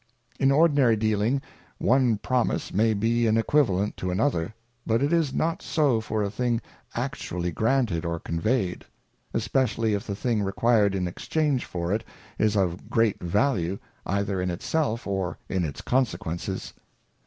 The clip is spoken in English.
In ordinary dealing, one Promise may be an Equivalent to another, but it is not so for a thing actually granted or conveyed ; especially if the thing required in exchange for it, is of great value, either in it self or in its consequences.